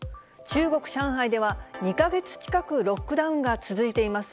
中国・上海では、２か月近く、ロックダウンが続いています。